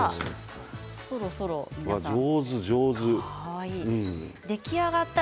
そろそろ皆さん。